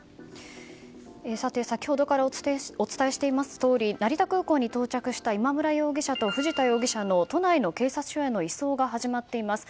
先ほどからお伝えしていますとおり成田空港に到着した今村容疑者と藤田容疑者の都内の警察署への移送が始まっています。